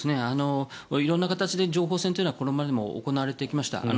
色んな形で情報戦というのはこれまでも行われてきました。